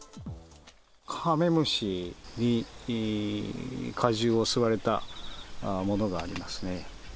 カメムシに果汁を吸われたものがありますね。